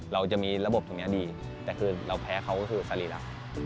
เราจะมีระบบตรงนี้ดีแต่คือเราแพ้เขาก็คือสรีระ